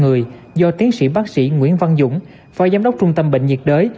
một mươi năm người do tiến sĩ bác sĩ nguyễn văn dũng phai giám đốc trung tâm bệnh nhiệt đới